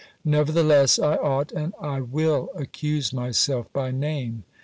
"Nevertheless, I ought, and I will accuse myself by name.